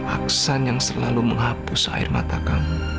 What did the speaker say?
aksan yang selalu menghapus air mata kamu